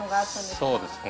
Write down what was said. そうですね。